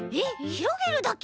ひろげるだけ？